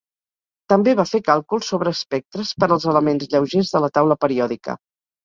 També va fer càlculs sobre espectres per als elements lleugers de la taula periòdica.